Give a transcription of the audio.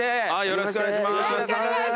よろしくお願いします。